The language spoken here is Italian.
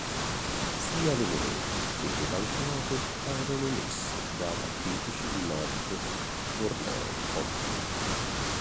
Sia le monete che le banconote erano emesse dalla British North Borneo Company.